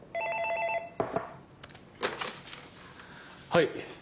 はい。